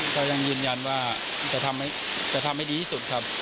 ก็ยังยืนยันว่าจะทำให้ดีที่สุดครับ